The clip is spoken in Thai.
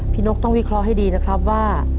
นกต้องวิเคราะห์ให้ดีนะครับว่า